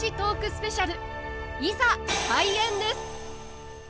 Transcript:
スペシャルいざ開演です！